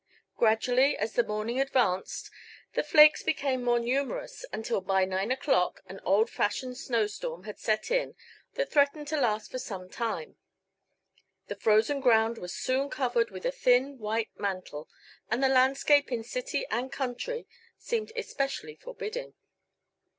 Gradually, as the morning advanced, the flakes became more numerous, until by nine o'clock an old fashioned snowstorm had set in that threatened to last for some time. The frozen ground was soon covered with a thin white mantle and the landscape in city and country seemed especially forbidding.